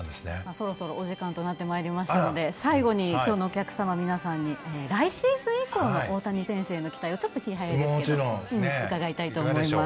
そろそろお時間となってまいりましたので最後にきょうのお客様皆さんに来シーズン以降の大谷選手への期待をちょっと気早いんですけど伺いたいと思います。